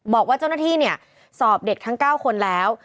บอกว่าเจ้าหน้าที่เนี่ยสอบเด็กทั้ง๙คนแล้ว